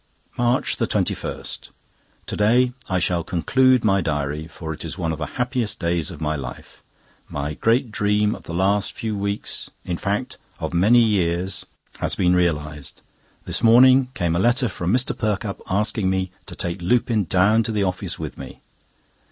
MARCH 21.—To day I shall conclude my diary, for it is one of the happiest days of my life. My great dream of the last few weeks—in fact, of many years—has been realised. This morning came a letter from Mr. Perkupp, asking me to take Lupin down to the office with me.